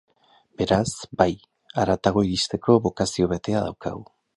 Beraz, bai, haratago iristeko bokazio betea daukagu.